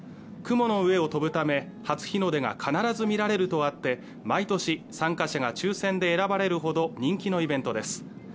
雲の上を飛ぶため、初日の出が必ず見られるとあって毎年、参加者が抽せんで選ばれるほど人気のイベントです。